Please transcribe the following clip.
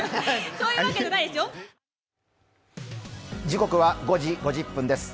時刻は５時５０分です。